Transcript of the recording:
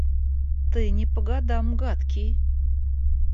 Ты не по годам гадкий!